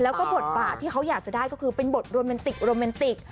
แล้วก็บทบาทที่เขาอยากจะได้ก็คือเป็นบทโรแมนติกโรแมนติก